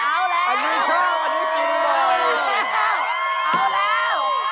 เอาแล้วเอาแล้วโยมแหน